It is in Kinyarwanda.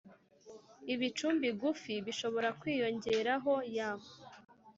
Ibicumbi gufi bishobora kwiyongeraho ya